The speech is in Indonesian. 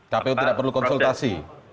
tapi tidak perlu konsultasi